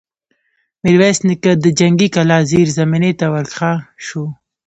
ميرويس نيکه د جنګي کلا زېرزميني ته ور کښه شو.